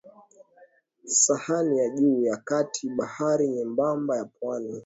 sahani ya juu ya kati bahari nyembamba ya pwani